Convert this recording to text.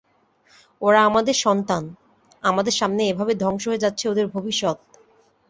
ওরা আমাদের সন্তান, আমাদেরই সামনে এভাবে ধ্বংস হয়ে যাচ্ছে ওদের ভবিষ্যৎ।